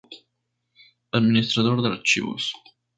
Administrador de archivos